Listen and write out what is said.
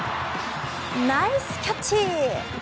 ナイスキャッチ！